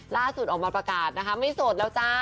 ล่าสุดออกมาประกาศนะคะไม่โสดแล้วจ้า